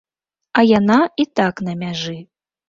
А яна і так на мяжы.